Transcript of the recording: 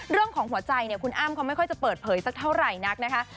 เรื่องของหัวใจเนี่ยคุณอ้ำเขาไม่ค่อยจะเปิดเผยสักเท่าไหร่นักนะคะ